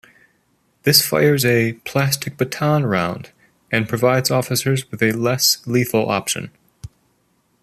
This fires a 'plastic baton round' and provides officers with a less lethal option.